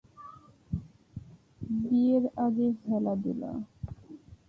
বিয়ের আগে হেলাদুলা?